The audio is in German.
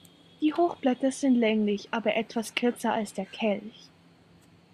Die Hochblätter sind länglich, aber etwas kürzer als der Kelch.